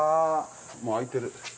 もう開いてる。